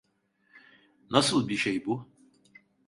Nasıl bir şey bu?